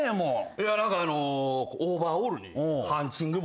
いや何かオーバーオールにハンチング帽